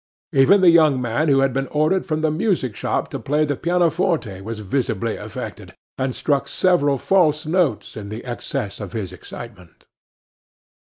Even the young man who had been ordered from the music shop to play the pianoforte was visibly affected, and struck several false notes in the excess of his excitement.